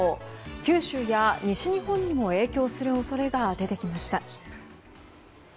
九州や西日本にも影響する恐れが出てきました。